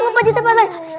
mumpet di tempat lain